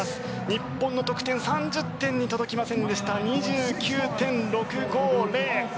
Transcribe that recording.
日本の得点３０点に届きませんでした。２９．６５０。